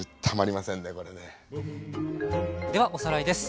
ではおさらいです。